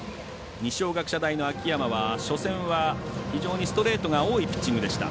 二松学舎大の秋山は、初戦はストレートが多いピッチングでした。